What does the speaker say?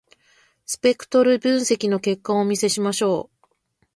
スペクトル分析の結果をお見せしましょう。